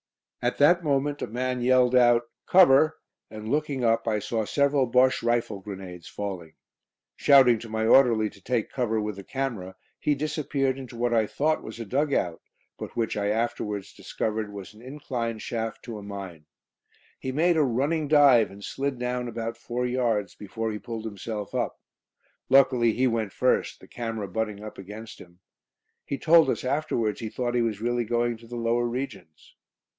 At that moment a man yelled out "cover," and, looking up, I saw several Bosche rifle grenades falling. Shouting to my orderly to take cover with the camera, he disappeared into what I thought was a dug out but which I afterwards discovered was an incline shaft to a mine. He made a running dive, and slid down about four yards before he pulled himself up. Luckily he went first, the camera butting up against him. He told us afterwards he thought he was really going to the lower regions.